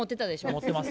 持ってます。